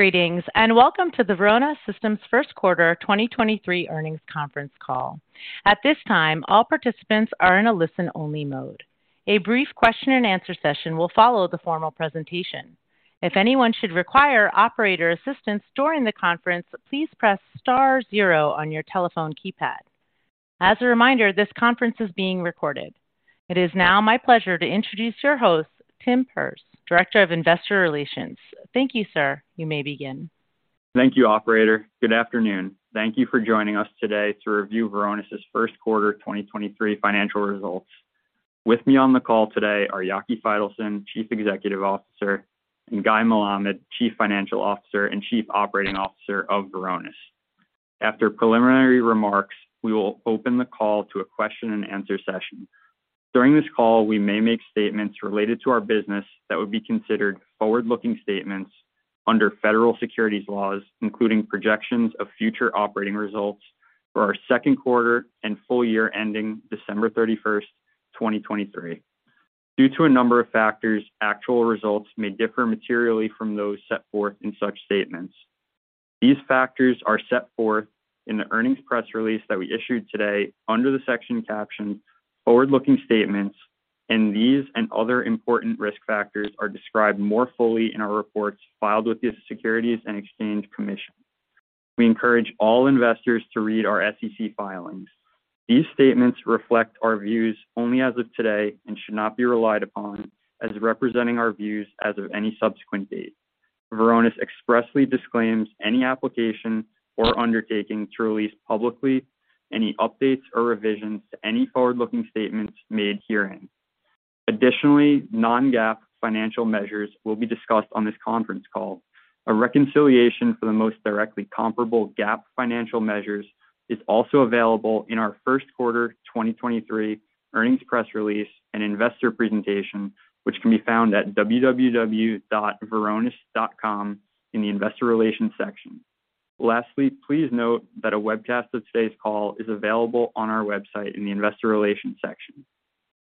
Greetings, welcome to the Varonis Systems first quarter 2023 earnings conference call. At this time, all participants are in a listen-only mode. A brief question and answer session will follow the formal presentation. If anyone should require operator assistance during the conference, please press star zero on your telephone keypad. As a reminder, this conference is being recorded. It is now my pleasure to introduce your host, Tim Perz, Director of Investor Relations. Thank you, sir. You may begin. Thank you, operator. Good afternoon. Thank you for joining us today to review Varonis' first quarter 2023 financial results. With me on the call today are Yaki Faitelson, Chief Executive Officer, and Guy Melamed, Chief Financial Officer and Chief Operating Officer of Varonis. After preliminary remarks, we will open the call to a question-and-answer session. During this call, we may make statements related to our business that would be considered forward-looking statements under federal securities laws, including projections of future operating results for our second quarter and full year ending December 31, 2023. Due to a number of factors, actual results may differ materially from those set forth in such statements. These factors are set forth in the earnings press release that we issued today under the section captioned Forward-Looking Statements, and these and other important risk factors are described more fully in our reports filed with the Securities and Exchange Commission. We encourage all investors to read our SEC filings. These statements reflect our views only as of today and should not be relied upon as representing our views as of any subsequent date. Varonis expressly disclaims any application or undertaking to release publicly any updates or revisions to any forward-looking statements made herein. Additionally, non-GAAP financial measures will be discussed on this conference call. A reconciliation for the most directly comparable GAAP financial measures is also available in our first quarter 2023 earnings press release and investor presentation, which can be found at www.varonis.com in the investor relations section. Lastly, please note that a webcast of today's call is available on our website in the Investor Relations section.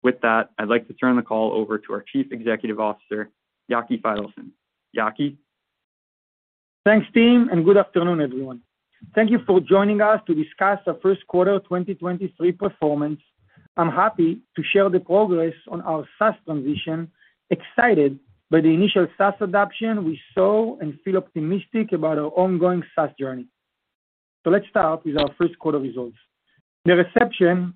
With that, I'd like to turn the call over to our Chief Executive Officer, Yaki Faitelson. Yaki. Thanks, Tim. Good afternoon, everyone. Thank you for joining us to discuss our first quarter 2023 performance. I'm happy to share the progress on our SaaS transition, excited by the initial SaaS adoption we saw, and feel optimistic about our ongoing SaaS journey. Let's start with our first quarter results. The reception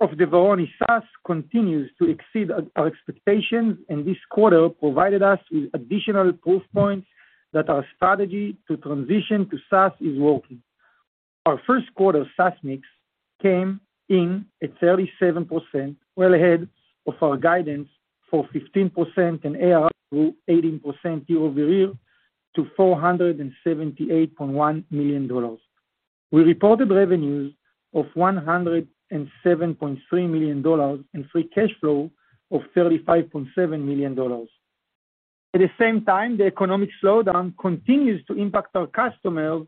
of the Varonis SaaS continues to exceed our expectations. This quarter provided us with additional proof points that our strategy to transition to SaaS is working. Our first quarter SaaS mix came in at 37%, well ahead of our guidance for 15%. ARR grew 18% year-over-year to $478.1 million. We reported revenues of $107.3 million. Free cash flow of $35.7 million. At the same time, the economic slowdown continues to impact our customers.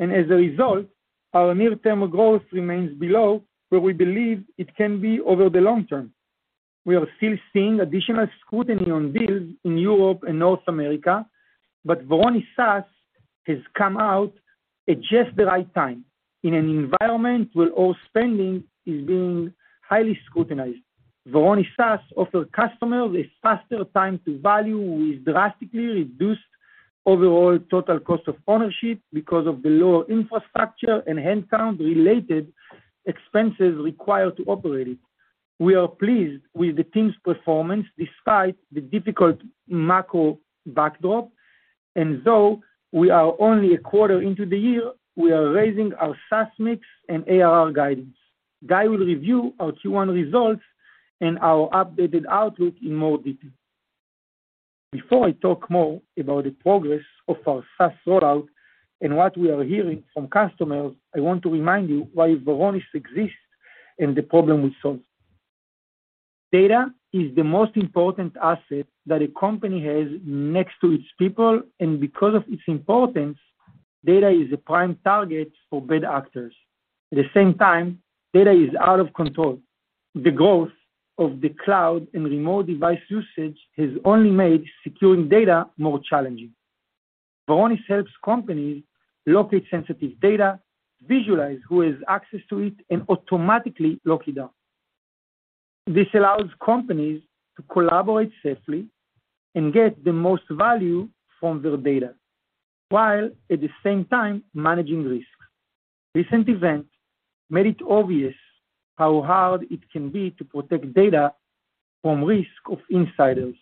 As a result, our near-term growth remains below where we believe it can be over the long term. We are still seeing additional scrutiny on deals in Europe and North America. Varonis SaaS has come out at just the right time. In an environment where all spending is being highly scrutinized, Varonis SaaS offers customers a faster time to value with drastically reduced overall total cost of ownership because of the lower infrastructure and headcount related expenses required to operate it. We are pleased with the team's performance despite the difficult macro backdrop. Though we are only a quarter into the year, we are raising our SaaS mix and ARR guidance. Guy will review our Q1 results and our updated outlook in more detail. Before I talk more about the progress of our SaaS rollout and what we are hearing from customers, I want to remind you why Varonis exists and the problem we solve. Data is the most important asset that a company has next to its people, and because of its importance, data is a prime target for bad actors. At the same time, data is out of control. The growth of the cloud and remote device usage has only made securing data more challenging. Varonis helps companies locate sensitive data, visualize who has access to it, and automatically lock it down. This allows companies to collaborate safely and get the most value from their data, while at the same time managing risk. Recent events made it obvious how hard it can be to protect data from risk of insiders.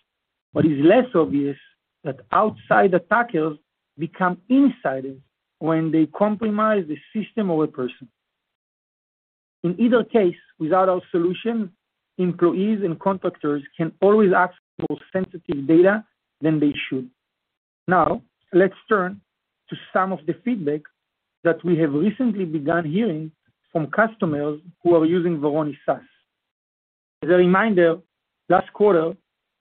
What is less obvious that outside attackers become insiders when they compromise the system or a person. In either case, without our solution, employees and contractors can always access more sensitive data than they should. Let's turn to some of the feedback that we have recently begun hearing from customers who are using Varonis SaaS. As a reminder, last quarter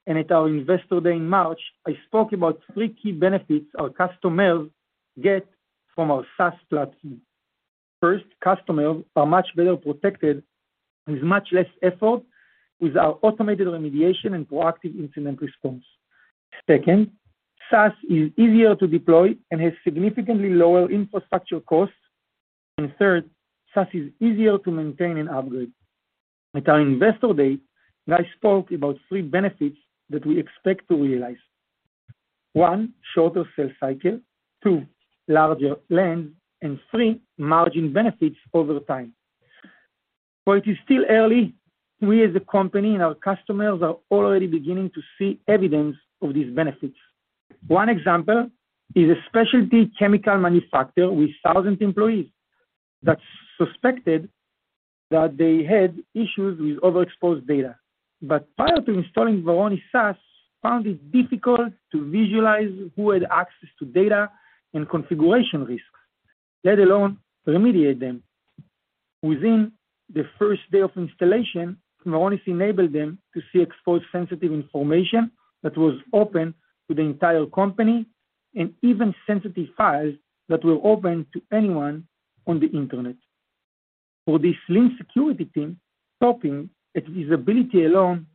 and at our Investor Day in March, I spoke about three key benefits our customers get from our SaaS platform. First, customers are much better protected with much less effort with our automated remediation and proactive incident response. Second, SaaS is easier to deploy and has significantly lower infrastructure costs. Third, SaaS is easier to maintain and upgrade. At our Investor Day, Guy spoke about three benefits that we expect to realize. One, shorter sales cycle, two, larger length, and three, margin benefits over time. While it is still early, we as a company and our customers are already beginning to see evidence of these benefits. One example is a specialty chemical manufacturer with 1,000 employees that suspected that they had issues with overexposed data. Prior to installing Varonis SaaS, found it difficult to visualize who had access to data and configuration risks, let alone remediate them. Within the first day of installation, Varonis enabled them to see exposed sensitive information that was open to the entire company and even sensitive files that were open to anyone on the internet. For this lean security team, stopping at visibility alone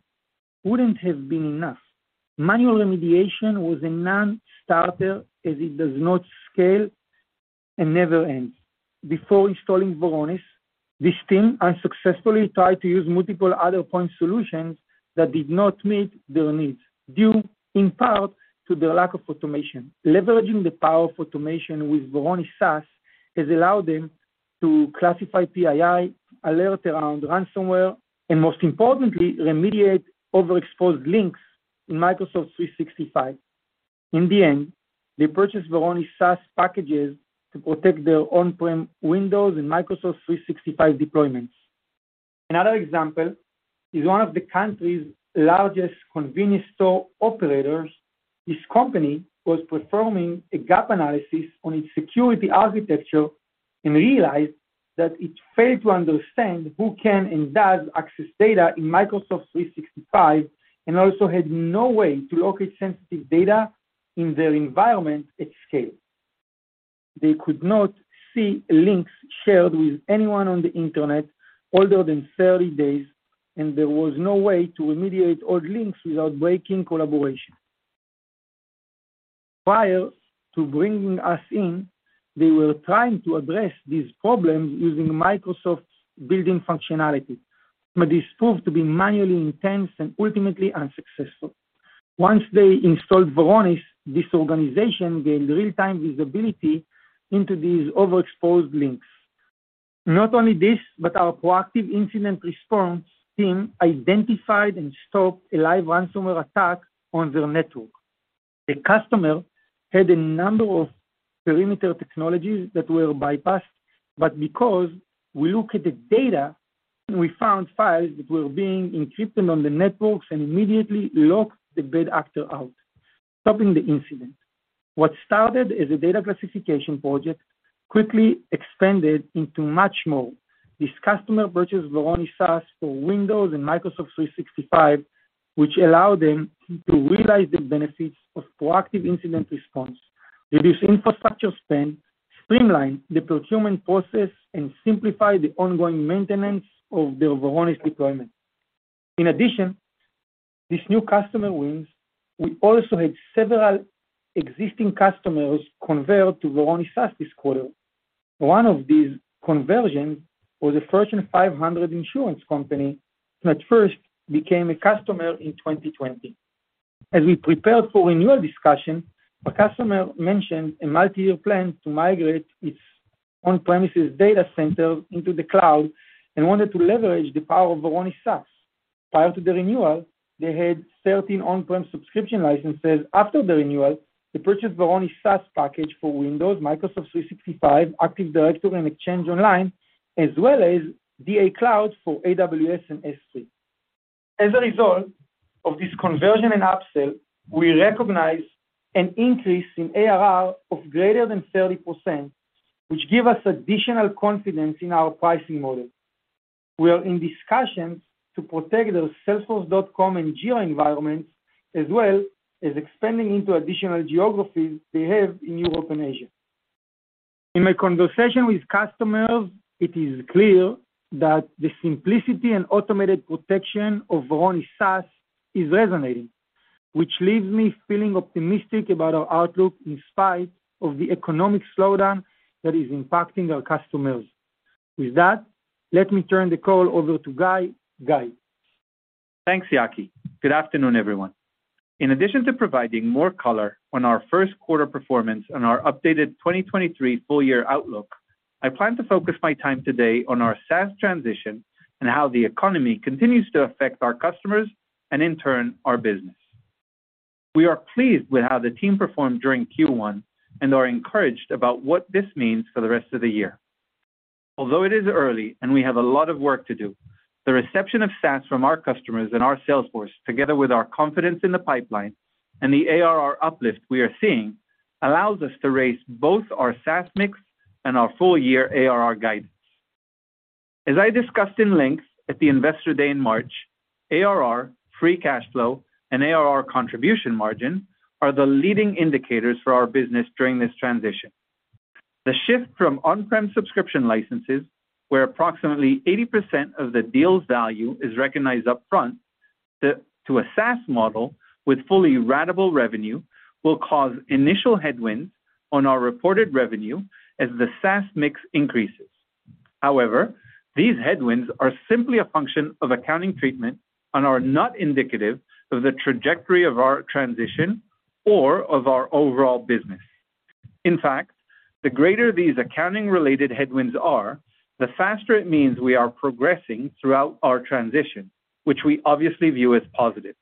wouldn't have been enough. Manual remediation was a non-starter as it does not scale and never ends. Before installing Varonis, this team unsuccessfully tried to use multiple other point solutions that did not meet their needs, due in part to their lack of automation. Leveraging the power of automation with Varonis SaaS has allowed them to classify PII, alert around ransomware, and most importantly, remediate overexposed links in Microsoft 365. In the end, they purchased Varonis SaaS packages to protect their on-prem Windows and Microsoft 365 deployments. Another example is one of the country's largest convenience store operators. This company was performing a gap analysis on its security architecture and realized that it failed to understand who can and does access data in Microsoft 365, and also had no way to locate sensitive data in their environment at scale. They could not see links shared with anyone on the internet older than 30 days, and there was no way to remediate old links without breaking collaboration. Prior to bringing us in, they were trying to address this problem using Microsoft's building functionality, but this proved to be manually intense and ultimately unsuccessful. Once they installed Varonis, this organization gained real-time visibility into these overexposed links. Not only this, but our proactive incident response team identified and stopped a live ransomware attack on their network. The customer had a number of perimeter technologies that were bypassed, but because we look at the data, we found files that were being encrypted on the networks and immediately locked the bad actor out, stopping the incident. What started as a data classification project quickly expanded into much more. This customer purchased Varonis SaaS for Windows and Microsoft 365, which allowed them to realize the benefits of proactive incident response, reduce infrastructure spend, streamline the procurement process, and simplify the ongoing maintenance of their Varonis deployment. These new customer wins, we also had several existing customers convert to Varonis SaaS this quarter. One of these conversions was a Fortune 500 insurance company that first became a customer in 2020. As we prepared for renewal discussion, a customer mentioned a multi-year plan to migrate its on-premises data centers into the cloud and wanted to leverage the power of Varonis SaaS. Prior to the renewal, they had 13 on-prem subscription licenses. After the renewal, they purchased Varonis SaaS package for Windows, Microsoft 365, Active Directory, and Exchange Online, as well as DA Cloud for AWS and S3. As a result of this conversion and upsell, we recognize an increase in ARR of greater than 30%, which give us additional confidence in our pricing model. We are in discussions to protect their Salesforce.com and Geo environments, as well as expanding into additional geographies they have in Europe and Asia. In my conversation with customers, it is clear that the simplicity and automated protection of Varonis SaaS is resonating, which leaves me feeling optimistic about our outlook in spite of the economic slowdown that is impacting our customers. Let me turn the call over to Guy. Guy? Thanks, Yaki. Good afternoon, everyone. In addition to providing more color on our first quarter performance and our updated 2023 full year outlook, I plan to focus my time today on our SaaS transition and how the economy continues to affect our customers and in turn, our business. We are pleased with how the team performed during Q1 and are encouraged about what this means for the rest of the year. Although it is early and we have a lot of work to do, the reception of SaaS from our customers and our sales force, together with our confidence in the pipeline and the ARR uplift we are seeing, allows us to raise both our SaaS mix and our full year ARR guidance. As I discussed in length at the Investor Day in March, ARR, free cash flow, and ARR contribution margin are the leading indicators for our business during this transition. The shift from on-prem subscription licenses, where approximately 80% of the deal's value is recognized upfront, to a SaaS model with fully ratable revenue, will cause initial headwinds on our reported revenue as the SaaS mix increases. These headwinds are simply a function of accounting treatment and are not indicative of the trajectory of our transition or of our overall business. In fact, the greater these accounting-related headwinds are, the faster it means we are progressing throughout our transition, which we obviously view as positive.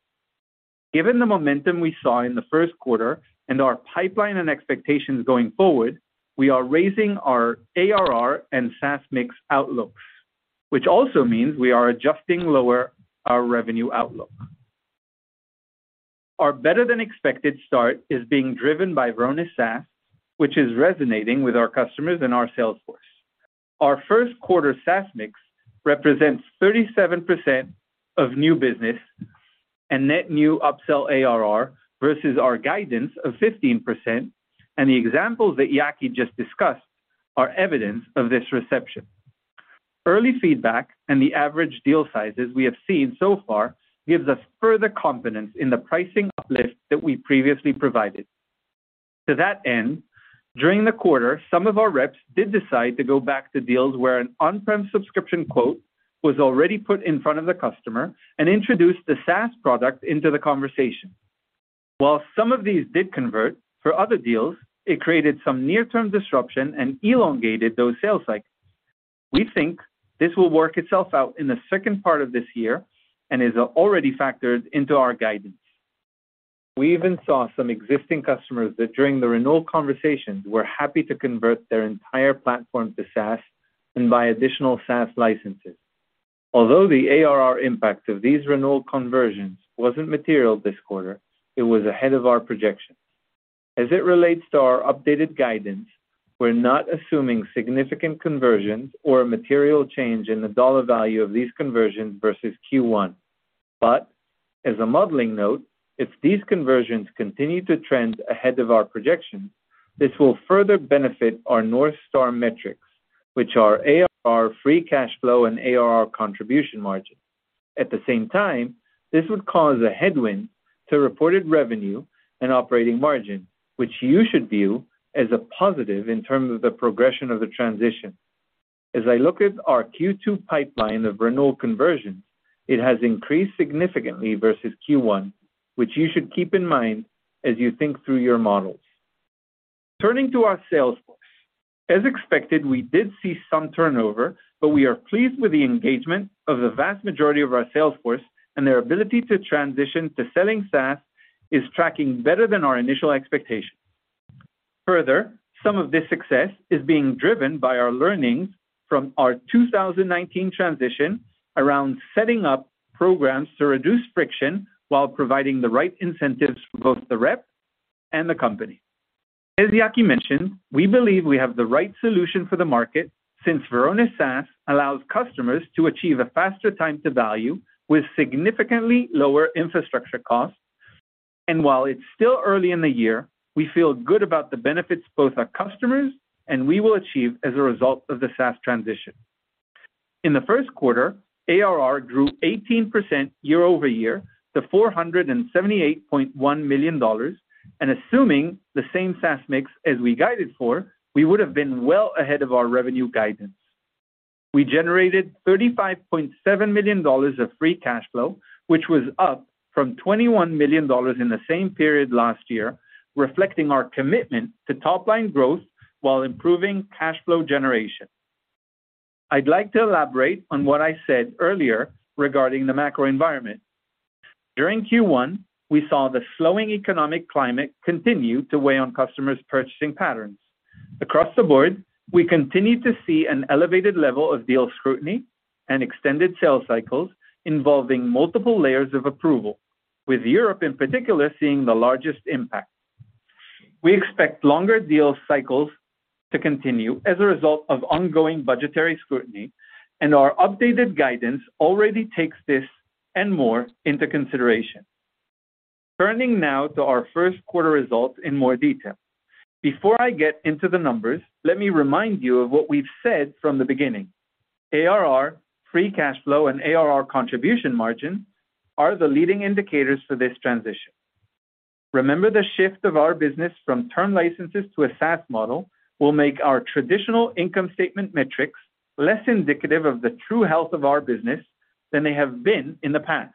Given the momentum we saw in the first quarter and our pipeline and expectations going forward, we are raising our ARR and SaaS mix outlooks, which also means we are adjusting lower our revenue outlook. Our better-than-expected start is being driven by Varonis SaaS, which is resonating with our customers and our sales force. Our first quarter SaaS mix represents 37% of new business and net new upsell ARR versus our guidance of 15%. The examples that Yaki just discussed are evidence of this reception. Early feedback and the average deal sizes we have seen so far gives us further confidence in the pricing uplift that we previously provided. To that end, during the quarter, some of our reps did decide to go back to deals where an on-prem subscription quote was already put in front of the customer and introduced the SaaS product into the conversation. While some of these did convert, for other deals, it created some near-term disruption and elongated those sales cycles. We think this will work itself out in the second part of this year and is already factored into our guidance. We even saw some existing customers that during the renewal conversations were happy to convert their entire platform to SaaS and buy additional SaaS licenses. Although the ARR impact of these renewal conversions wasn't material this quarter, it was ahead of our projections. As it relates to our updated guidance, we're not assuming significant conversions or a material change in the dollar value of these conversions versus Q1. As a modeling note, if these conversions continue to trend ahead of our projections, this will further benefit our North Star metrics, which are ARR free cash flow and ARR contribution margin. At the same time, this would cause a headwind to reported revenue and operating margin, which you should view as a positive in terms of the progression of the transition. I look at our Q2 pipeline of renewal conversions, it has increased significantly versus Q1, which you should keep in mind as you think through your models. Turning to our sales force. As expected, we did see some turnover, but we are pleased with the engagement of the vast majority of our sales force and their ability to transition to selling SaaS is tracking better than our initial expectations. Further, some of this success is being driven by our learnings from our 2019 transition around setting up programs to reduce friction while providing the right incentives for both the rep and the company. As Yaki mentioned, we believe we have the right solution for the market since Varonis SaaS allows customers to achieve a faster time to value with significantly lower infrastructure costs. While it's still early in the year, we feel good about the benefits both our customers and we will achieve as a result of the SaaS transition. In the first quarter, ARR grew 18% year-over-year to $478.1 million, and assuming the same SaaS mix as we guided for, we would have been well ahead of our revenue guidance. We generated $35.7 million of free cash flow, which was up from $21 million in the same period last year, reflecting our commitment to top-line growth while improving cash flow generation. I'd like to elaborate on what I said earlier regarding the macro environment. During Q1, we saw the slowing economic climate continue to weigh on customers' purchasing patterns. Across the board, we continued to see an elevated level of deal scrutiny and extended sales cycles involving multiple layers of approval, with Europe in particular seeing the largest impact. We expect longer deal cycles to continue as a result of ongoing budgetary scrutiny, and our updated guidance already takes this and more into consideration. Turning now to our first quarter results in more detail. Before I get into the numbers, let me remind you of what we've said from the beginning. ARR, free cash flow, and ARR contribution margin are the leading indicators for this transition. Remember the shift of our business from term licenses to a SaaS model will make our traditional income statement metrics less indicative of the true health of our business than they have been in the past.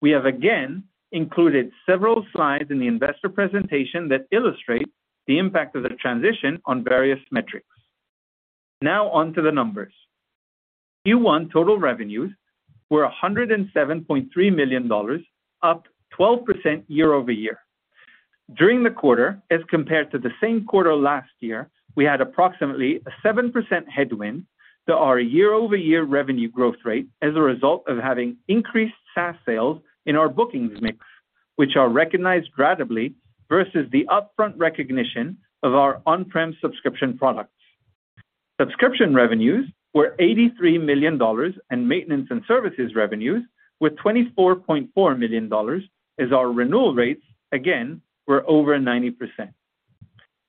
We have again included several slides in the investor presentation that illustrate the impact of the transition on various metrics. Now on to the numbers. Q1 total revenues were $107.3 million, up 12% year-over-year. During the quarter, as compared to the same quarter last year, we had approximately a 7% headwind to our year-over-year revenue growth rate as a result of having increased SaaS sales in our bookings mix. Which are recognized ratably versus the upfront recognition of our on-prem subscription products. Subscription revenues were $83 million and maintenance and services revenues were $24.4 million as our renewal rates, again, were over 90%.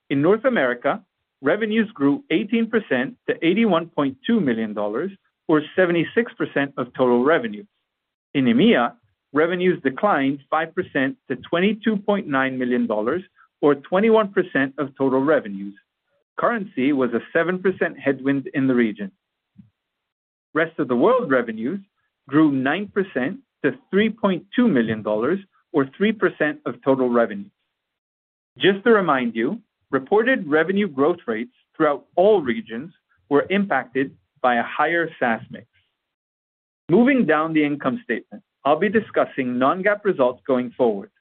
In North America, revenues grew 18% to $81.2 million or 76% of total revenue. In EMEA, revenues declined 5% to $22.9 million or 21% of total revenues. Currency was a 7% headwind in the region. Rest of the world revenues grew 9% to $3.2 million or 3% of total revenues. Just to remind you, reported revenue growth rates throughout all regions were impacted by a higher SaaS mix. Moving down the income statement, I'll be discussing non-GAAP results going forward.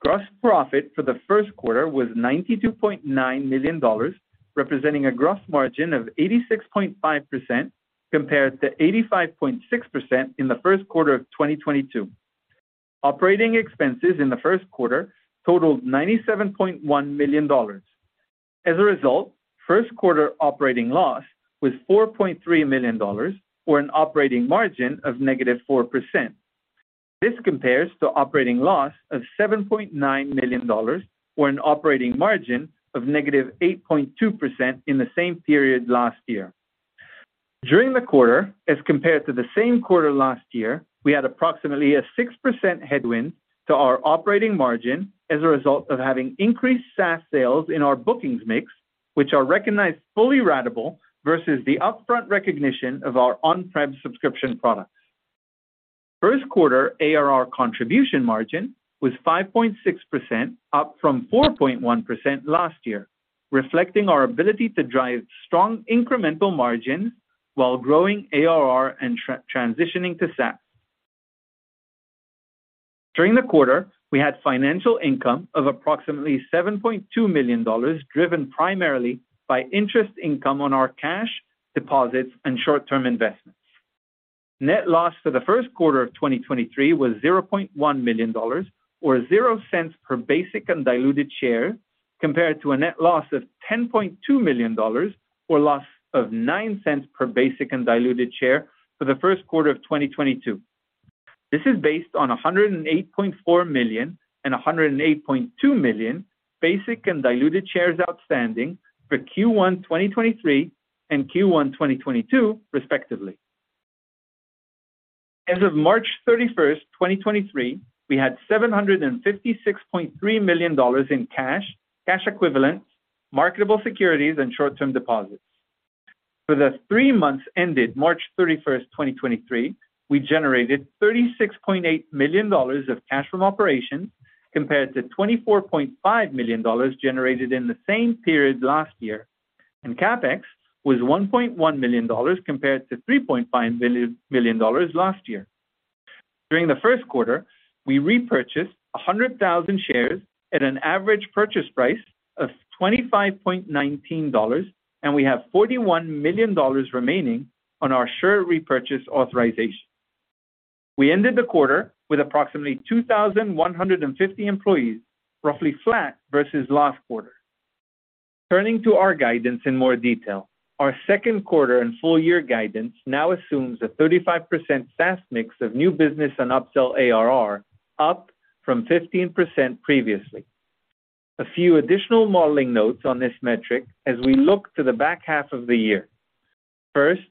Gross profit for the first quarter was $92.9 million, representing a gross margin of 86.5% compared to 85.6% in the first quarter of 2022. Operating expenses in the first quarter totaled $97.1 million. First quarter operating loss was $4.3 million or an operating margin of negative 4%. This compares to operating loss of $7.9 million or an operating margin of negative 8.2% in the same period last year. During the quarter, as compared to the same quarter last year, we had approximately a 6% headwind to our operating margin as a result of having increased SaaS sales in our bookings mix, which are recognized fully ratable versus the upfront recognition of our on-prem subscription products. First quarter ARR contribution margin was 5.6%, up from 4.1% last year, reflecting our ability to drive strong incremental margins while growing ARR and transitioning to SaaS. During the quarter, we had financial income of approximately $7.2 million, driven primarily by interest income on our cash, deposits, and short-term investments. Net loss for the first quarter of 2023 was $0.1 million or $0.00 per basic and diluted share, compared to a net loss of $10.2 million or loss of $0.09 per basic and diluted share for the first quarter of 2022. This is based on 108.4 million and 108.2 million basic and diluted shares outstanding for Q1 2023 and Q1 2022 respectively. As of March 31, 2023, we had $756.3 million in cash equivalents, marketable securities, and short-term deposits. For the three months ended March 31, 2023, we generated $36.8 million of cash from operations compared to $24.5 million generated in the same period last year. CapEx was $1.1 million compared to $3.5 million last year. During the first quarter, we repurchased 100,000 shares at an average purchase price of $25.19. We have $41 million remaining on our share repurchase authorization. We ended the quarter with approximately 2,150 employees, roughly flat versus last quarter. Turning to our guidance in more detail, our 2nd quarter and full year guidance now assumes a 35% SaaS mix of new business and upsell ARR, up from 15% previously. A few additional modeling notes on this metric as we look to the back half of the year. First,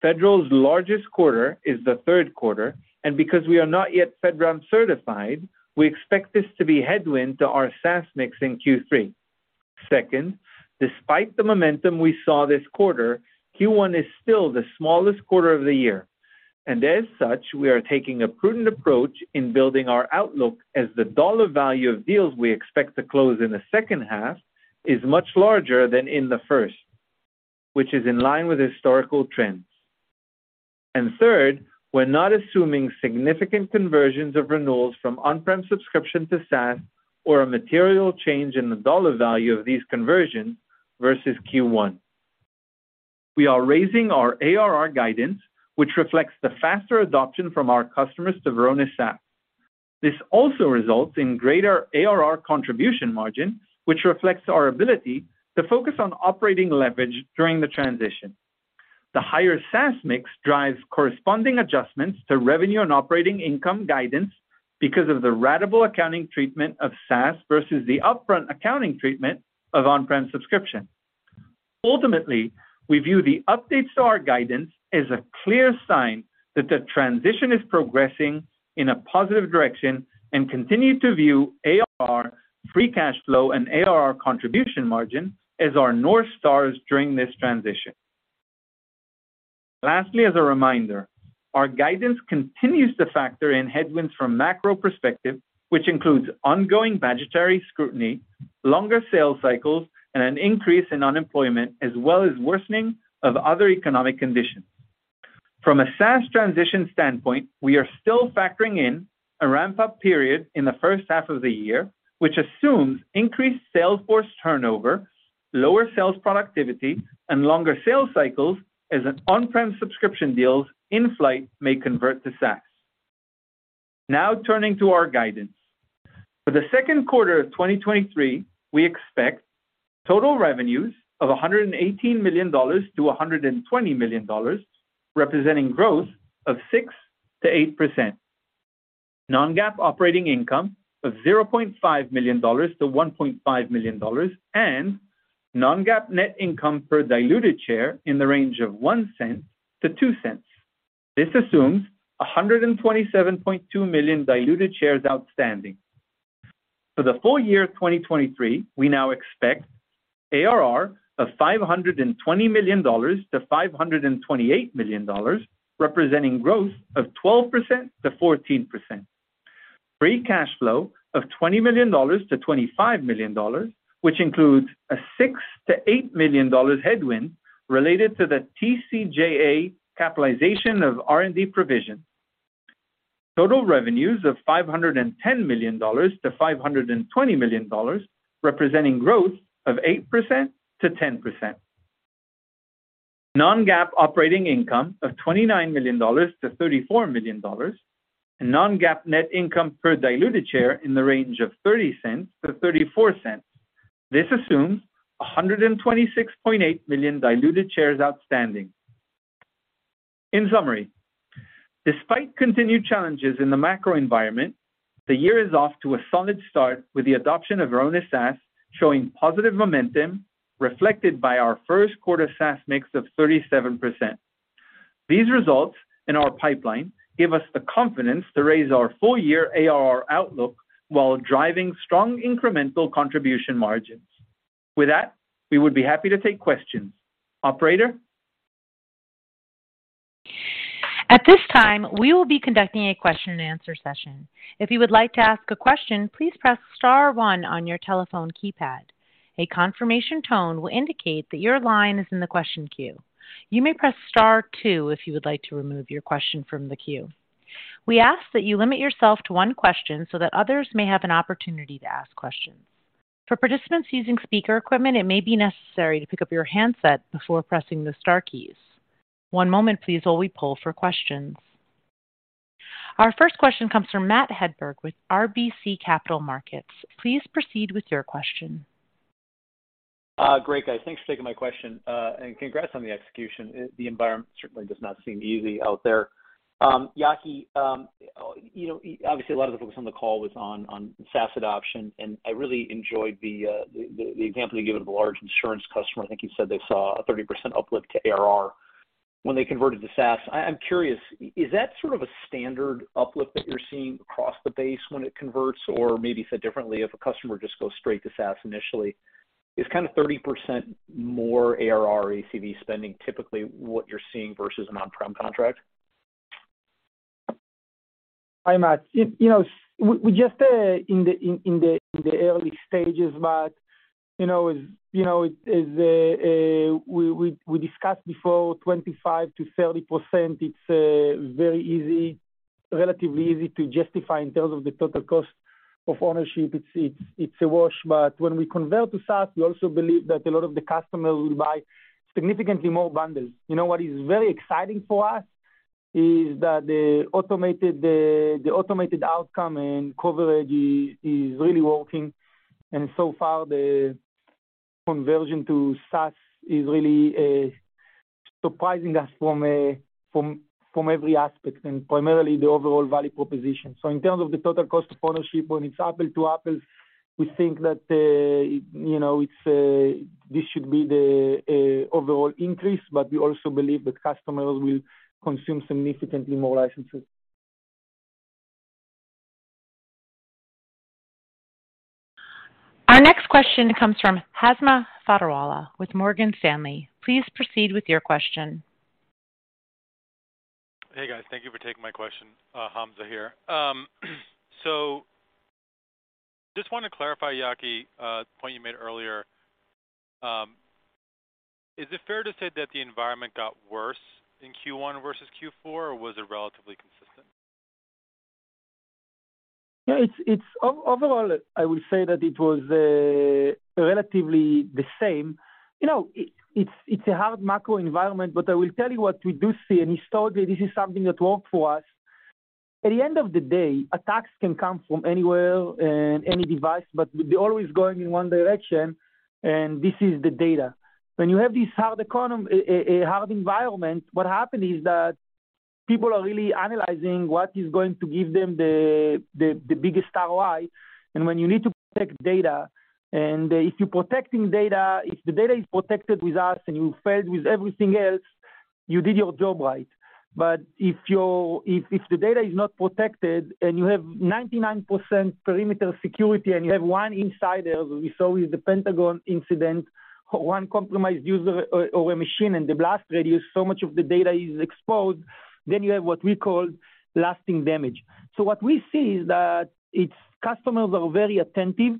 Federal's largest quarter is the 3rd quarter, and because we are not yet FedRAMP certified, we expect this to be headwind to our SaaS mix in Q3. Second, despite the momentum we saw this quarter, Q1 is still the smallest quarter of the year. As such, we are taking a prudent approach in building our outlook as the dollar value of deals we expect to close in the 2nd half is much larger than in the 1st, which is in line with historical trends. Third, we're not assuming significant conversions of renewals from on-prem subscription to SaaS or a material change in the dollar value of these conversions versus Q1. We are raising our ARR guidance, which reflects the faster adoption from our customers to Varonis SaaS. This also results in greater ARR contribution margin, which reflects our ability to focus on operating leverage during the transition. The higher SaaS mix drives corresponding adjustments to revenue and operating income guidance because of the ratable accounting treatment of SaaS versus the upfront accounting treatment of on-prem subscription. Ultimately, we view the updates to our guidance as a clear sign that the transition is progressing in a positive direction and continue to view ARR, free cash flow, and ARR contribution margin as our North Stars during this transition. Lastly, as a reminder, our guidance continues to factor in headwinds from macro perspective, which includes ongoing budgetary scrutiny, longer sales cycles, and an increase in unemployment, as well as worsening of other economic conditions. From a SaaS transition standpoint, we are still factoring in a ramp-up period in the first half of the year, which assumes increased sales force turnover, lower sales productivity and longer sales cycles as an on-prem subscription deals in flight may convert to SaaS. Now turning to our guidance. For the second quarter of 2023, we expect total revenues of $118 million-$120 million, representing growth of 6%-8%. non-GAAP operating income of $0.5 million-$1.5 million, and non-GAAP net income per diluted share in the range of $0.01-$0.02. This assumes 127.2 million diluted shares outstanding. For the full year of 2023, we now expect ARR of $520 million to $528 million, representing growth of 12%-14%. Free cash flow of $20 million to $25 million, which includes a $6 million-$8 million headwind related to the TCJA capitalization of R&D provision. Total revenues of $510 million to $520 million, representing growth of 8%-10%. Non-GAAP operating income of $29 million to $34 million. Non-GAAP net income per diluted share in the range of $0.30-$0.34. This assumes 126.8 million diluted shares outstanding. In summary, despite continued challenges in the macro environment, the year is off to a solid start with the adoption of our own SaaS showing positive momentum, reflected by our first quarter SaaS mix of 37%. These results in our pipeline give us the confidence to raise our full-year ARR outlook while driving strong incremental contribution margins. With that, we would be happy to take questions. Operator? At this time, we will be conducting a question and answer session. If you would like to ask a question, please press star one on your telephone keypad. A confirmation tone will indicate that your line is in the question queue. You may press star two if you would like to remove your question from the queue. We ask that you limit yourself to one question so that others may have an opportunity to ask questions. For participants using speaker equipment, it may be necessary to pick up your handset before pressing the star keys. One moment please, while we poll for questions. Our first question comes from Matt Hedberg with RBC Capital Markets. Please proceed with your question. Great, guys. Thanks for taking my question. Congrats on the execution. The environment certainly does not seem easy out there. Yaki, you know, obviously, a lot of the focus on the call was on SaaS adoption, and I really enjoyed the example you gave of a large insurance customer. I think you said they saw a 30% uplift to ARR when they converted to SaaS. I'm curious, is that sort of a standard uplift that you're seeing across the base when it converts? Maybe said differently, if a customer just goes straight to SaaS initially, is kind of 30% more ARR ACV spending typically what you're seeing versus an on-prem contract? Hi, Matt. You know, we just in the early stages, but, you know, as you know, as we discussed before, 25%-30%, it's very easy, relatively easy to justify in terms of the total cost of ownership. It's a wash. But when we convert to SaaS, we also believe that a lot of the customers will buy significantly more bundles. You know, what is very exciting for us is that the automated outcome and coverage is really working. And so far, the conversion to SaaS is really surprising us from every aspect and primarily the overall value proposition. In terms of the total cost of ownership, when it's apple to apple, we think that, you know, it's, this should be the overall increase, but we also believe that customers will consume significantly more licenses. Our next question comes from Hamza Fodderwala with Morgan Stanley. Please proceed with your question. Hey, guys. Thank you for taking my question. Hamza here. Just want to clarify, Yaki, point you made earlier. Is it fair to say that the environment got worse in Q1 versus Q4, or was it relatively consistent? Yeah, it's overall, I would say that it was relatively the same. You know, it's a hard macro environment. I will tell you what we do see, and historically, this is something that worked for us. At the end of the day, attacks can come from anywhere and any device. They're always going in one direction. This is the data. When you have this hard economy, a hard environment, what happened is that people are really analyzing what is going to give them the biggest ROI. When you need to protect data, and if you're protecting data, if the data is protected with us and you failed with everything else, you did your job right. If the data is not protected and you have 99% perimeter security and you have one insider, as we saw with the Pentagon incident, one compromised user or a machine, and the blast radius, so much of the data is exposed, then you have what we call lasting damage. What we see is that its customers are very attentive.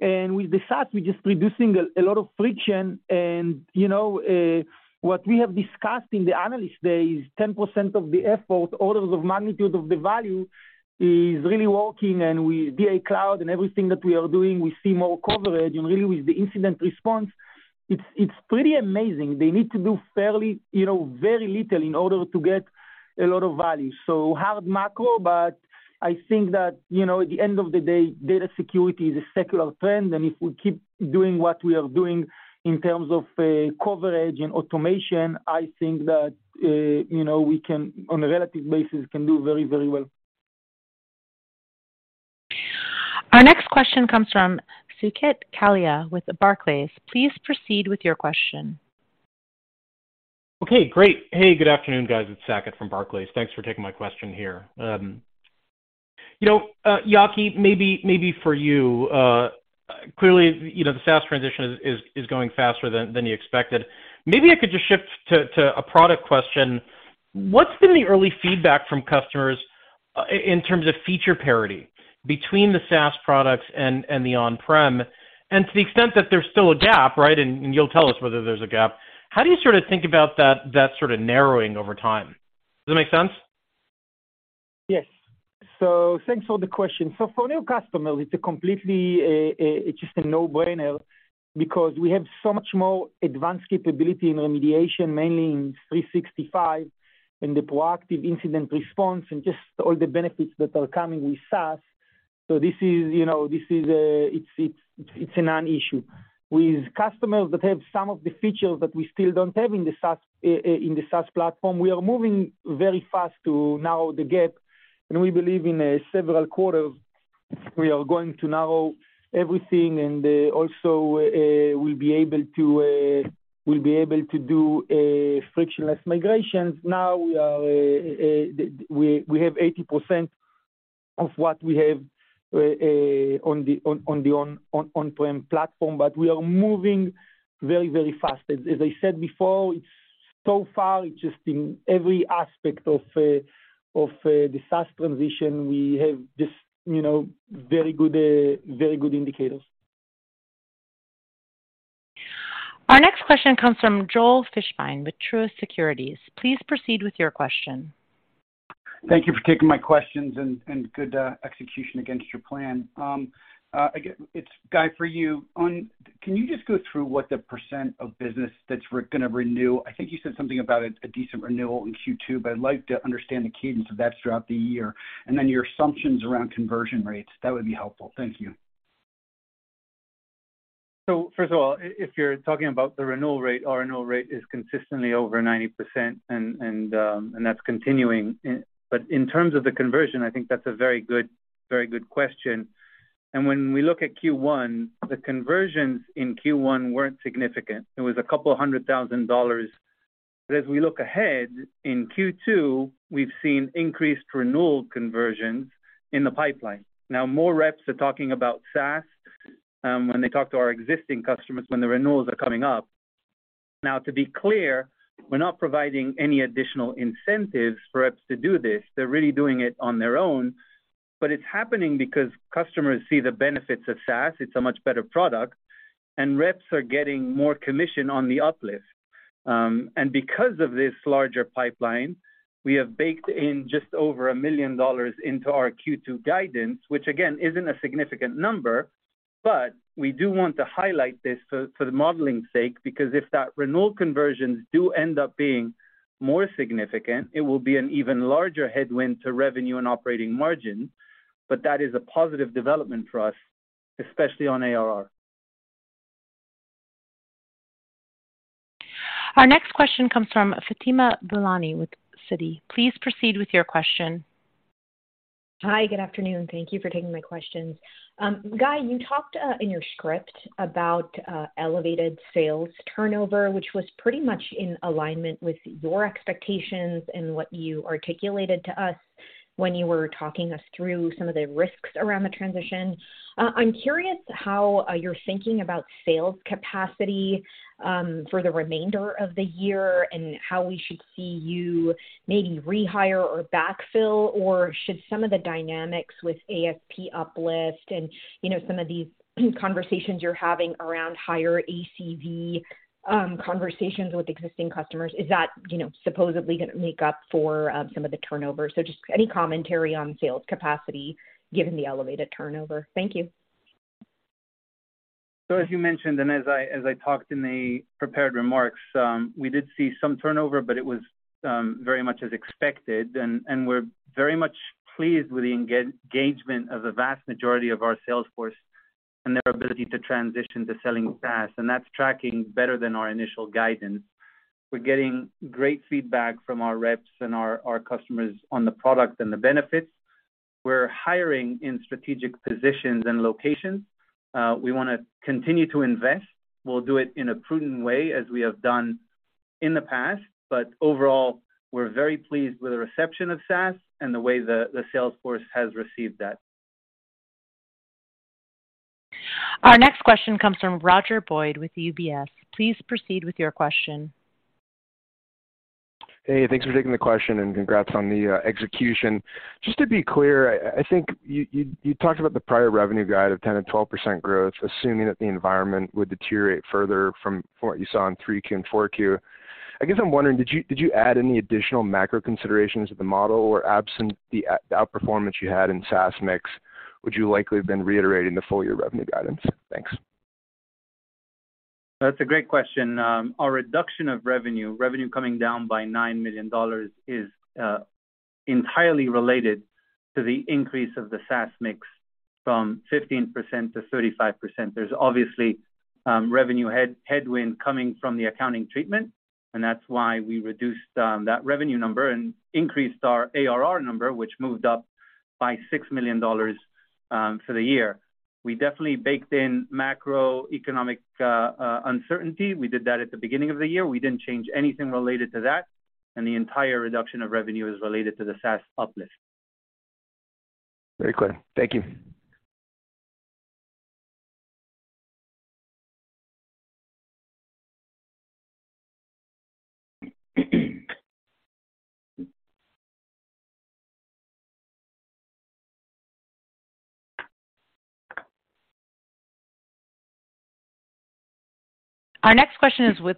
With the SaaS, we're just reducing a lot of friction. You know, what we have discussed in the analyst day is 10% of the effort, orders of magnitude of the value is really working, and DA Cloud and everything that we are doing, we see more coverage. Really with the incident response, it's pretty amazing. They need to do fairly, you know, very little in order to get a lot of value. Hard macro, but I think that, you know, at the end of the day, data security is a secular trend, and if we keep doing what we are doing in terms of coverage and automation, I think that, you know, we can, on a relative basis, can do very, very well. Our next question comes from Saket Kalia with Barclays. Please proceed with your question. Okay, great. Hey, good afternoon, guys. It's Saket from Barclays. Thanks for taking my question here. you know, Yaki, maybe for you. clearly, you know, the SaaS transition is going faster than you expected. Maybe I could just shift to a product question. What's been the early feedback from customers in terms of feature parity between the SaaS products and the on-prem? To the extent that there's still a gap, right, and you'll tell us whether there's a gap, how do you sort of think about that sort of narrowing over time? Does that make sense? Yes. Thanks for the question. For new customers, it's a completely, it's just a no-brainer because we have so much more advanced capability in remediation, mainly in 365, in the proactive incident response and just all the benefits that are coming with SaaS. This is, you know, it's a non-issue. With customers that have some of the features that we still don't have in the SaaS platform, we are moving very fast to narrow the gap, and we believe in several quarters we are going to narrow everything and also we'll be able to do a frictionless migrations. Now we are, we have 80% of what we have on the on-prem platform. We are moving very, very fast. As I said before, it's so far, it's just in every aspect of the SaaS transition, we have just, you know, very good indicators. Our next question comes from Joel Fishbein with Truist Securities. Please proceed with your question. Thank you for taking my questions and good execution against your plan. Again, it's Guy for you. Can you just go through what the % of business that's re-gonna renew? I think you said something about a decent renewal in Q2, but I'd like to understand the cadence of that throughout the year and then your assumptions around conversion rates. That would be helpful. Thank you. First of all, if you're talking about the renewal rate, our renewal rate is consistently over 90%, and that's continuing. In terms of the conversion, I think that's a very good question. When we look at Q1, the conversions in Q1 weren't significant. It was a couple hundred thousand dollars. As we look ahead, in Q2, we've seen increased renewal conversions in the pipeline. Now, more reps are talking about SaaS when they talk to our existing customers when the renewals are coming up. Now to be clear, we're not providing any additional incentives for reps to do this. They're really doing it on their own, but it's happening because customers see the benefits of SaaS. It's a much better product, and reps are getting more commission on the uplift. Because of this larger pipeline, we have baked in just over $1 million into our Q2 guidance, which again, isn't a significant number, but we do want to highlight this for the modeling sake because if that renewal conversions do end up being more significant, it will be an even larger headwind to revenue and operating margin, but that is a positive development for us, especially on ARR. Our next question comes from Fatima Boolani with Citi. Please proceed with your question. Hi, good afternoon. Thank you for taking my questions. Guy, you talked in your script about elevated sales turnover, which was pretty much in alignment with your expectations and what you articulated to us when you were talking us through some of the risks around the transition. I'm curious how you're thinking about sales capacity for the remainder of the year and how we should see you maybe rehire or backfill, or should some of the dynamics with ASP uplift and, you know, some of these conversations you're having around higher ACV, conversations with existing customers, is that, you know, supposedly gonna make up for some of the turnover? Just any commentary on sales capacity given the elevated turnover. Thank you. As you mentioned, as I talked in the prepared remarks, we did see some turnover, but it was very much as expected. We're very much pleased with the engagement of the vast majority of our sales force and their ability to transition to selling SaaS, and that's tracking better than our initial guidance. We're getting great feedback from our reps and our customers on the product and the benefits. We're hiring in strategic positions and locations. We wanna continue to invest. We'll do it in a prudent way as we have done in the past. Overall, we're very pleased with the reception of SaaS and the way the sales force has received that. Our next question comes from Roger Boyd with UBS. Please proceed with your question. Thanks for taking the question and congrats on the execution. Just to be clear, I think you talked about the prior revenue guide of 10%-12% growth, assuming that the environment would deteriorate further from what you saw in 3Q and 4Q. I guess I'm wondering, did you add any additional macro considerations to the model or absent the outperformance you had in SaaS mix, would you likely have been reiterating the full-year revenue guidance? Thanks. That's a great question. Our reduction of revenue coming down by $9 million is entirely related to the increase of the SaaS mix from 15% to 35%. There's obviously revenue headwind coming from the accounting treatment. That's why we reduced that revenue number and increased our ARR number, which moved up by $6 million for the year. We definitely baked in macroeconomic uncertainty. We did that at the beginning of the year. We didn't change anything related to that. The entire reduction of revenue is related to the SaaS uplift. Very clear. Thank you. Our next question is with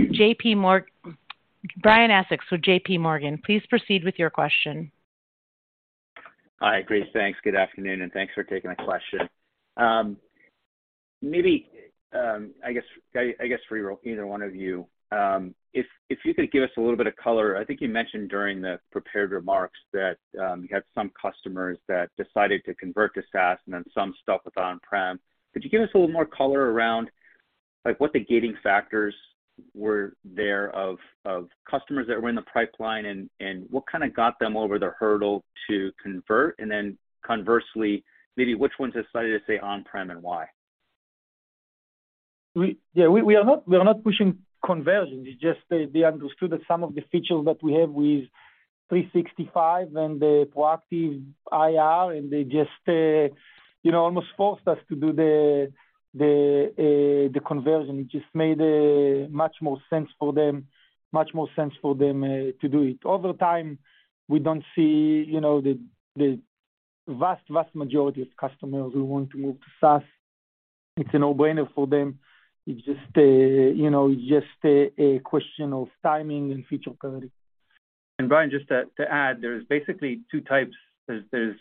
Brian Essex with JP Morgan. Please proceed with your question. Hi, Grace. Thanks. Good afternoon, and thanks for taking a question. Maybe, I guess for either one of you, if you could give us a little bit of color. I think you mentioned during the prepared remarks that, you had some customers that decided to convert to SaaS and then some stuck with on-prem. Could you give us a little more color around, like, what the gating factors were there of customers that were in the pipeline and what kinda got them over the hurdle to convert? Conversely, maybe which ones have decided to stay on-prem and why? We. Yeah. We are not pushing conversion. It's just they understood that some of the features that we have with 365 and the proactive IR, and they just, you know, almost forced us to do the conversion. It just made much more sense for them to do it. Over time, we don't see, you know, the vast majority of customers who want to move to SaaS. It's a no-brainer for them. It's just a, you know, just a question of timing and feature priority. Brian, just to add, there's basically two types. There's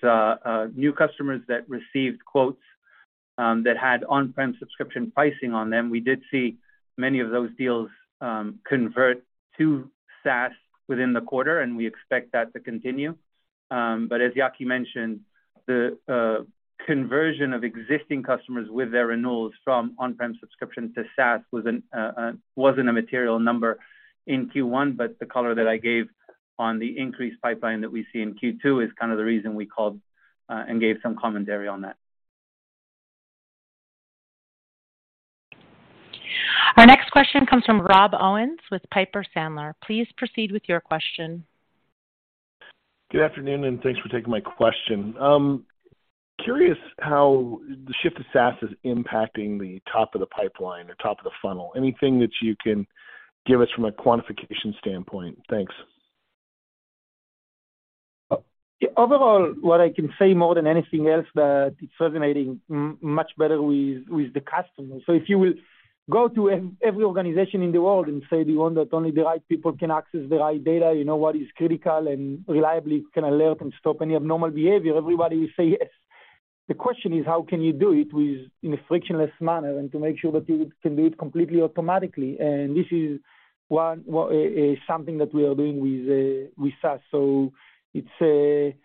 new customers that received quotes that had on-prem subscription pricing on them. We did see many of those deals convert to SaaS within the quarter, and we expect that to continue. As Yaki mentioned, the conversion of existing customers with their renewals from on-prem subscription to SaaS wasn't a material number in Q1, but the color that I gave on the increased pipeline that we see in Q2 is kind of the reason we called and gave some commentary on that. Our next question comes from Rob Owens with Piper Sandler. Please proceed with your question. Good afternoon, thanks for taking my question. Curious how the shift to SaaS is impacting the top of the pipeline or top of the funnel. Anything that you can give us from a quantification standpoint? Thanks. Overall, what I can say more than anything else that it's resonating much better with the customer. If you will go to every organization in the world and say we want that only the right people can access the right data, you know what is critical and reliably can alert and stop any abnormal behavior, everybody will say yes. The question is how can you do it with in a frictionless manner and to make sure that you can do it completely, automatically. This is one something that we are doing with SaaS.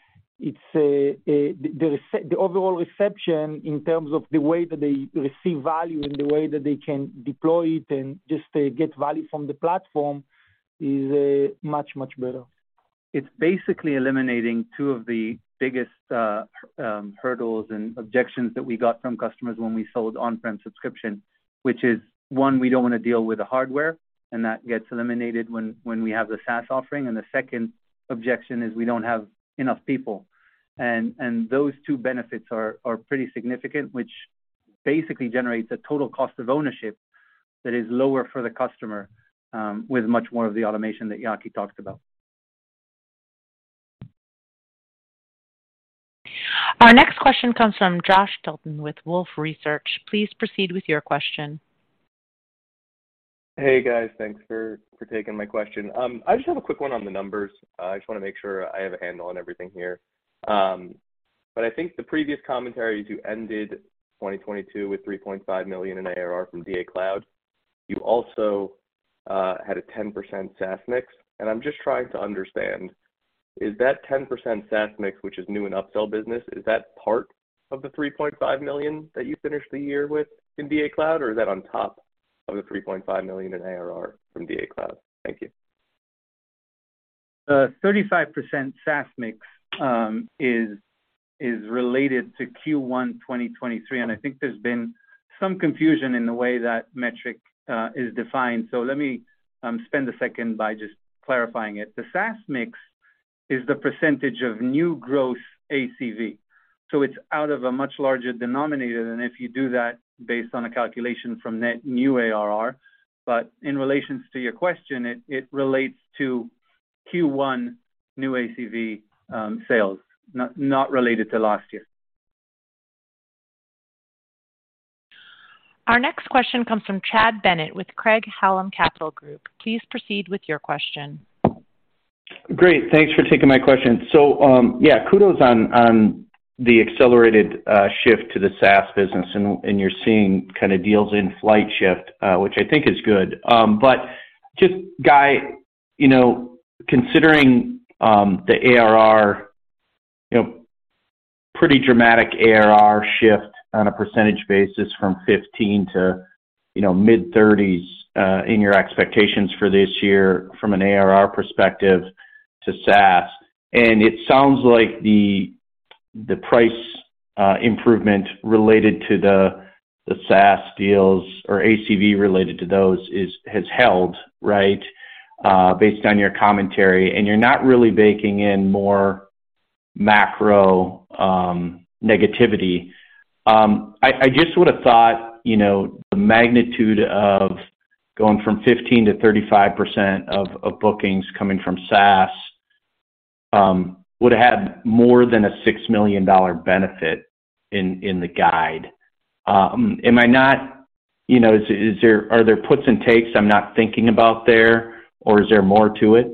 It's the overall reception in terms of the way that they receive value and the way that they can deploy it and just get value from the platform is much, much better. It's basically eliminating two of the biggest hurdles and objections that we got from customers when we sold on-prem subscription. Which is, one, we don't wanna deal with the hardware, and that gets eliminated when we have the SaaS offering. The second objection is we don't have enough people. Those two benefits are pretty significant, which basically generates a total cost of ownership that is lower for the customer, with much more of the automation that Yaki talked about. Our next question comes from Joshua Tilton with Wolfe Research. Please proceed with your question. Hey, guys. Thanks for taking my question. I just have a quick one on the numbers. I just wanna make sure I have a handle on everything here. I think the previous commentary, you ended 2022 with $3.5 million in ARR from DA Cloud. You also had a 10% SaaS mix, and I'm just trying to understand, is that 10% SaaS mix, which is new and upsell business, is that part of the $3.5 million that you finished the year with in DA Cloud, or is that on top of the $3.5 million in ARR from DA Cloud? Thank you. The 35% SaaS mix is related to Q1, 2023. I think there's been some confusion in the way that metric is defined. Let me spend a second by just clarifying it. The SaaS mix is the percentage of new growth ACV. It's out of a much larger denominator than if you do that based on a calculation from net new ARR. In relations to your question, it relates to Q1 new ACV sales, not related to last year. Our next question comes from Chad Bennett with Craig-Hallum Capital Group. Please proceed with your question. Great. Thanks for taking my question. Yeah, kudos on the accelerated shift to the SaaS business and you're seeing kind of deals in flight shift, which I think is good. Just, Guy, you know, considering the ARR pretty dramatic ARR shift on a % basis from 15% to mid-30s% in your expectations for this year from an ARR perspective to SaaS. It sounds like the price improvement related to the SaaS deals or ACV related to those has held, right, based on your commentary, and you're not really baking in more macro negativity. I just would've thought, you know, the magnitude of going from 15 to 35% of bookings coming from SaaS would have more than a $6 million benefit in the guide. Am I not... You know, are there puts and takes I'm not thinking about there or is there more to it?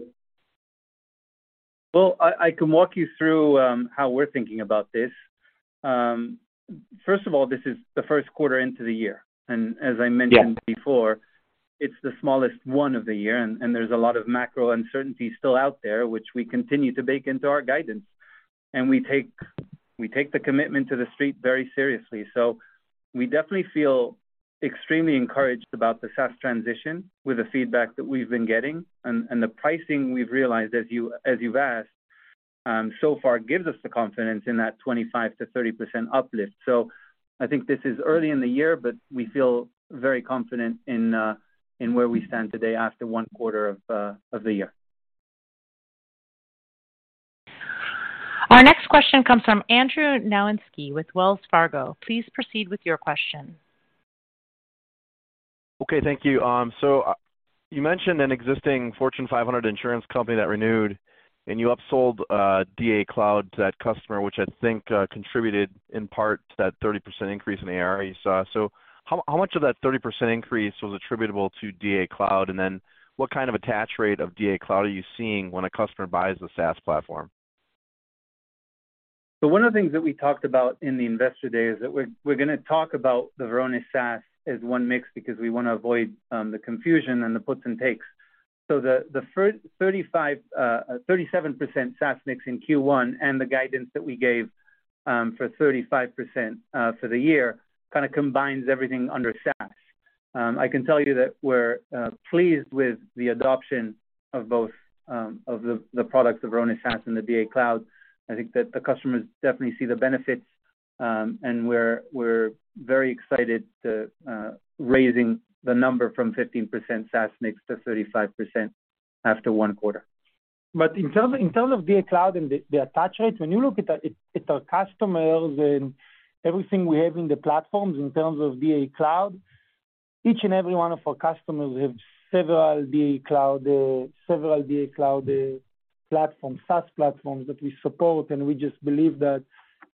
Well, I can walk you through how we're thinking about this. First of all, this is the first quarter into the year. As I mentioned- Yeah. -before, it's the smallest one of the year, there's a lot of macro uncertainty still out there, which we continue to bake into our guidance. We take the commitment to the street very seriously. We definitely feel extremely encouraged about the SaaS transition with the feedback that we've been getting and the pricing we've realized, as you've asked, so far gives us the confidence in that 25% to 30% uplift. I think this is early in the year, but we feel very confident in where we stand today after one quarter of the year. Our next question comes from Andrew Nowinski with Wells Fargo. Please proceed with your question. Okay. Thank you. You mentioned an existing Fortune 500 insurance company that renewed, and you upsold DA Cloud to that customer, which I think contributed in part to that 30% increase in the ARR you saw. How much of that 30% increase was attributable to DA Cloud? What kind of attach rate of DA Cloud are you seeing when a customer buys the SaaS platform? One of the things that we talked about in the Investor Day is that we're gonna talk about the Varonis SaaS as one mix because we wanna avoid the confusion and the puts and takes. The first 35, 37% SaaS mix in Q1 and the guidance that we gave for 35% for the year kinda combines everything under SaaS. I can tell you that we're pleased with the adoption of both of the products of Varonis SaaS and the DA Cloud. I think that the customers definitely see the benefits. And we're very excited to raising the number from 15% SaaS mix to 35% after one quarter. In terms of DA Cloud and the attach rates, when you look at our customers and everything we have in the platforms in terms of DA Cloud, each and every one of our customers have several DA Cloud SaaS platforms that we support, we just believe that,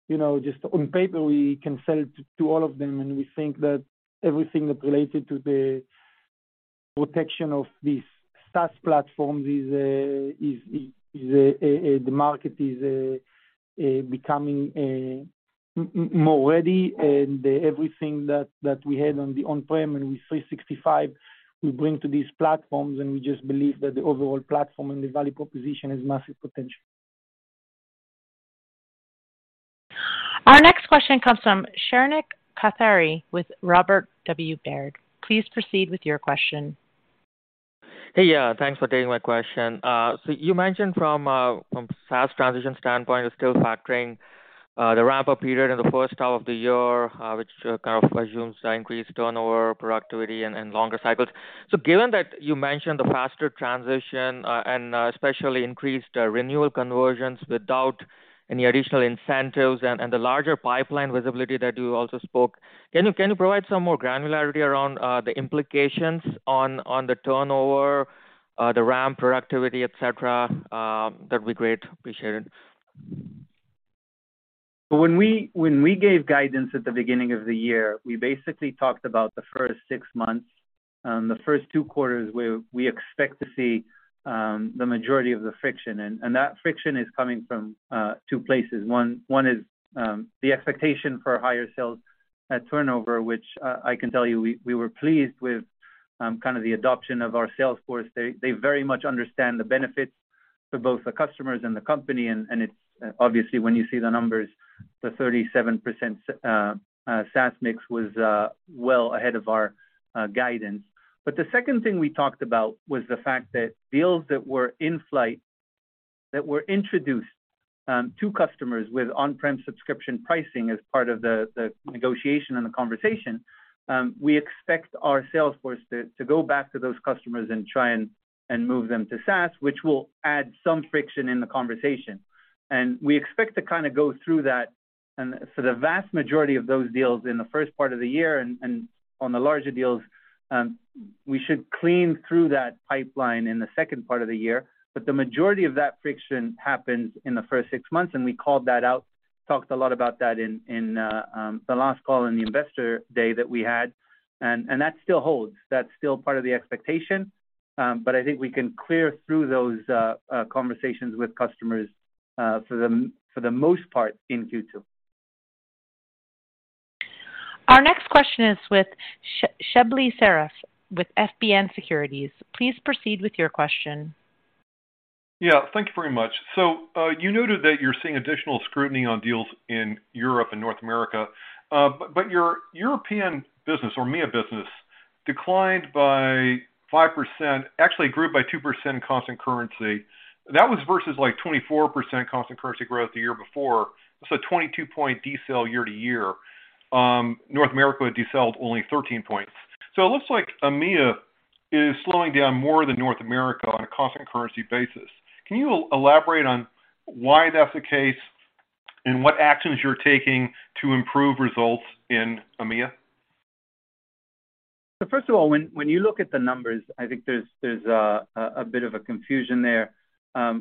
you know, just on paper, we can sell to all of them. We think that everything that related to the protection of these SaaS platforms is the market is becoming more ready. Everything that we had on the on-prem and with 365, we bring to these platforms, we just believe that the overall platform and the value proposition has massive potential. Our next question comes from Shrenik Kothari with Robert W. Baird. Please proceed with your question. Hey. Yeah, thanks for taking my question. You mentioned from SaaS transition standpoint, you're still factoring the ramp-up period in the first half of the year, which kind of assumes the increased turnover, productivity, and longer cycles. Given that you mentioned the faster transition, and especially increased renewal conversions without any additional incentives and the larger pipeline visibility that you also spoke, can you provide some more granularity around the implications on the turnover, the ramp productivity, et cetera? That'd be great. Appreciate it. When we gave guidance at the beginning of the year, we basically talked about the first six months, the first two quarters where we expect to see the majority of the friction. That friction is coming from two places. One is the expectation for higher sales turnover, which I can tell you we were pleased with kind of the adoption of our sales force. They very much understand the benefits for both the customers and the company, and it's obviously when you see the numbers, the 37% SaaS mix was well ahead of our guidance. The second thing we talked about was the fact that deals that were in flight that were introduced to customers with on-prem subscription pricing as part of the negotiation and the conversation. We expect our sales force to go back to those customers and try and move them to SaaS, which will add some friction in the conversation. We expect to kinda go through that and for the vast majority of those deals in the first part of the year and on the larger deals, we should clean through that pipeline in the second part of the year. The majority of that friction happens in the first six months, and we called that out, talked a lot about that in the last call in the investor day that we had. That still holds, that's still part of the expectation. I think we can clear through those conversations with customers for the most part in Q2. Our next question is with Shebly Seyrafi with FBN Securities. Please proceed with your question. Thank you very much. You noted that you're seeing additional scrutiny on deals in Europe and North America. But your European business or EMEA business declined by 5%, actually grew by 2% constant currency. That was versus like 24% constant currency growth the year before. 22 point decel year to year. North America decelved only 13 points. It looks like EMEA is slowing down more than North America on a constant currency basis. Can you elaborate on why that's the case and what actions you're taking to improve results in EMEA? First of all, when you look at the numbers, I think there's a bit of a confusion there.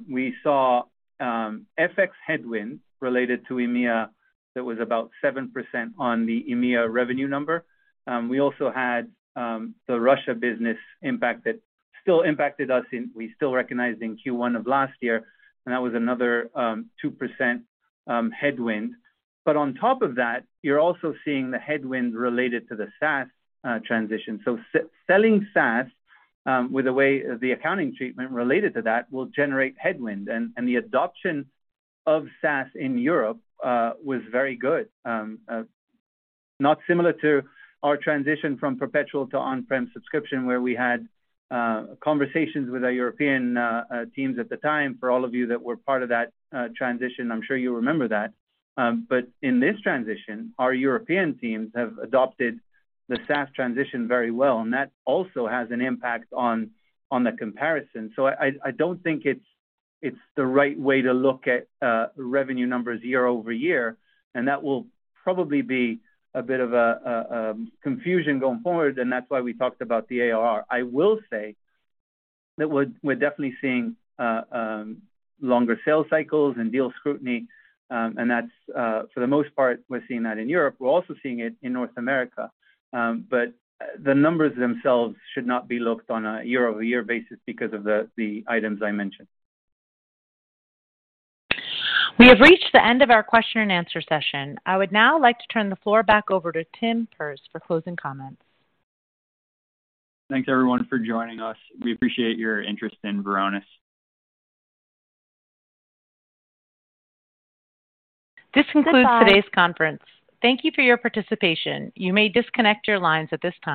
We saw FX headwinds related to EMEA that was about 7% on the EMEA revenue number. We also had the Russia business impact that we still recognized in Q1 of last year, and that was another 2% headwind. On top of that, you're also seeing the headwind related to the SaaS transition. Selling SaaS, with the way the accounting treatment related to that will generate headwind. The adoption of SaaS in Europe was very good. Not similar to our transition from perpetual to on-prem subscription, where we had conversations with our European teams at the time. For all of you that were part of that transition, I'm sure you remember that. In this transition, our European teams have adopted the SaaS transition very well, and that also has an impact on the comparison. I don't think it's the right way to look at revenue numbers year-over-year, and that will probably be a bit of a confusion going forward, and that's why we talked about the ARR. I will say that we're definitely seeing longer sales cycles and deal scrutiny, and that's for the most part, we're seeing that in Europe. We're also seeing it in North America. The numbers themselves should not be looked on a year-over-year basis because of the items I mentioned. We have reached the end of our question and answer session. I would now like to turn the floor back over to Tim Perz for closing comments. Thanks, everyone, for joining us. We appreciate your interest in Varonis. This concludes today's conference. Thank you for your participation. You may disconnect your lines at this time.